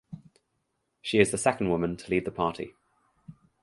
She is the second woman to lead the party.